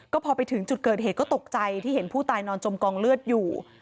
ก็พอไปถึงจุดเกิดเหตุก็ตกใจที่เห็นผู้ตายนอนจมกองเลือดอยู่